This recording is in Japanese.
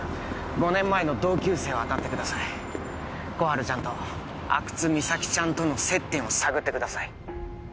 ５年前の同級生を当たってください心春ちゃんと阿久津実咲ちゃんとの接点を探ってください